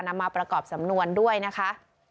นำมาประกอบสำนวนด้วยนะคะ